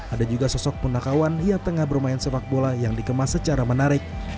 ada juga sosok punakawan yang tengah bermain sepak bola yang dikemas secara menarik